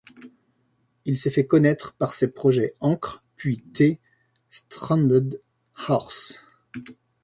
Il s'est fait connaître par ses projets Encre puis Thee, stranded horse.